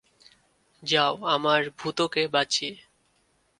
যাও আমার ভূতোকে বাঁচিয়ে?